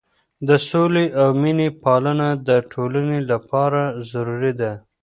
د سولې او مینې پالنه د ټولنې لپاره ضروري ده.